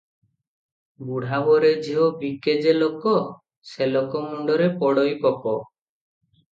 "ବୁଢା ବରେ ଝିଅ ବିକେ ଯେ ଲୋକ, ସେ ଲୋକ ମୁଣ୍ଡରେ ପଡ଼ଇ ପୋକ ।"